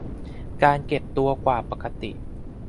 การเก็บตัวกว่าปกติ